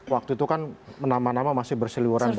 waktu itu kan nama nama masih berseliwuran banyak